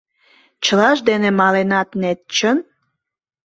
Чылашт дене маленат нет, чын?